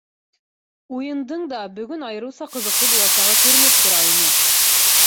Уйындың да бөгөн айырыуса ҡыҙыҡлы буласағы күренеп тора ине.